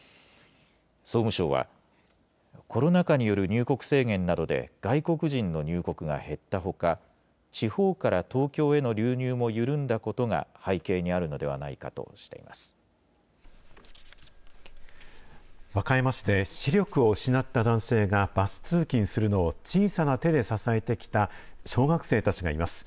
総務省は、コロナ禍による入国制限などで、外国人の入国が減ったほか、地方から東京への流入も緩んだことが背景にあるのではないかとし和歌山市で視力を失った男性が、バス通勤するのを小さな手で支えてきた小学生たちがいます。